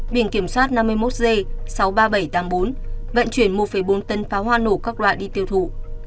biển kiểm soát năm mươi một g sáu mươi ba nghìn bảy trăm tám mươi bốn vận chuyển một bốn tấn pháo hoa nổ các loại đi tiêu thụ